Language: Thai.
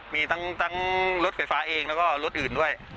มีทั้งรถไฟฟ้าเองแล้วก็รถอื่นด้วย